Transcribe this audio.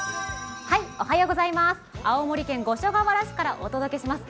青森県五所川原市からお届けします。